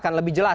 kalau kita lihat